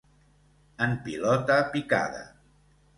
En pilota picada.